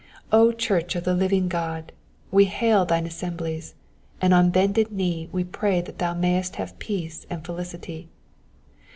O church of the living God, we hail thine assemblies, and on bended knee we pray that thou mayest have peace and felicity.